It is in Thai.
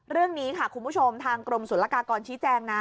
เรื่องนี้ค่ะคุณผู้ชมทางกรมศุลกากรชี้แจงนะ